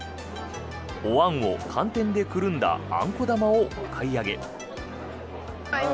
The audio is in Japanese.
おあんを寒天でくるんだあんこ玉をお買い上げ。